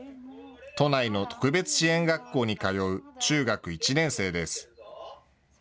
都内の特別支援学校に通う中学１年生です。